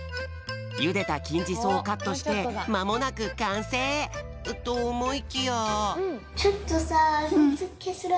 ゆでたきんじそうをカットしてまもなくかんせい！とおもいきや。